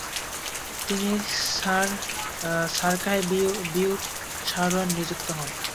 তিনি সরকাহেবিউফ সারুহান নিযুক্ত হন।